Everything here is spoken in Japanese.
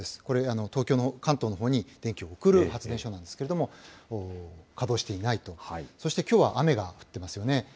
これ、東京の、関東のほうに電気を送る発電所なんですけれども、稼働していないと、そしてきょうは雨が降ってますよね。